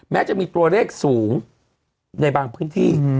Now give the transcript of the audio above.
แม้จะมีตัวเลขสูงในบางพื้นที่